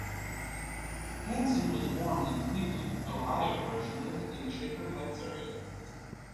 Hanson was born in Cleveland, Ohio, where she lived in the Shaker Heights area.